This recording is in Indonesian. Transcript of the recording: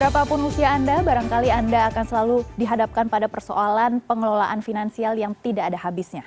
berapapun usia anda barangkali anda akan selalu dihadapkan pada persoalan pengelolaan finansial yang tidak ada habisnya